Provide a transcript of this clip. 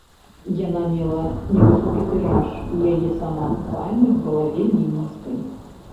Яна мела невысокі тыраж і яе самаакупнасць была вельмі нізкай.